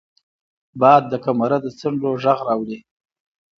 باد د کمره د څنډو غږ راوړي